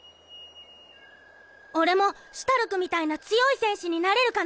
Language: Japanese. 俺もシュタルクみたいな強い戦士になれるかな？